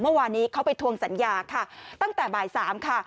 เมื่อวานนี้เขาไปทวงสัญญาค่ะตั้งแต่บ่ายสามค่ะ